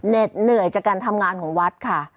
เหนื่อยจากการทำงานของวัดค่ะ